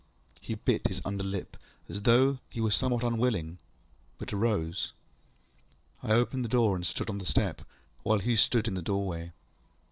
ŌĆØ He bit his under lip as though he were somewhat unwilling, but arose. I opened the door, and stood on the step, while he stood in the doorway.